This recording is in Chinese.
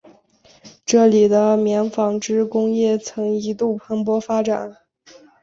这里的棉纺织工业曾一度蓬勃发展。